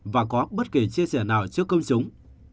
và có bất kỳ chia sẻ nào trước công chúng